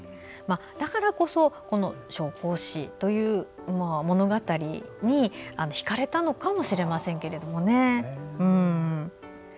だからこそこの「小公子」という物語にひかれたのかもしれませんけれどもね。